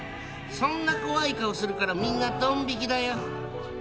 そんな怖い顔するからみんなドン引きだよ。